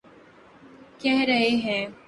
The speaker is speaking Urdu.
کہہ رہے ہیں۔